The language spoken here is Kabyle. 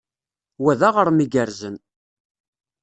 Wa d aɣrem igerrzen.